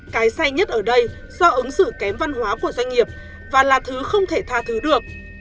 cái xay nhất ở đây do ứng xử kém văn hóa của doanh nghiệp và là thứ không thể tha thứ được